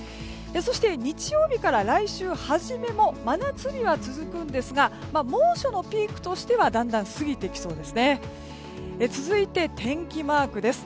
そして、日曜日から来週初めも真夏日は続くんですが猛暑のピークとしてはだんだん過ぎてきそうですね。